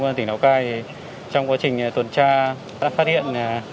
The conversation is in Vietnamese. công an tỉnh lào cai thì trong quá trình tuần tra đã phát hiện